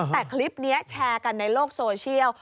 แต่คลิปนี้แชร์กันในโลกโซเชียล